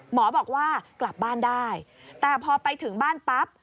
หมอบอกว่ากลับบ้านได้แต่พอไปถึงบ้านปั๊บ